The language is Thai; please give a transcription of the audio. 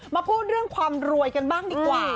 มาพูดเรื่องความรวยกันบ้างดีกว่า